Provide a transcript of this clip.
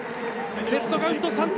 セットカウント３−０。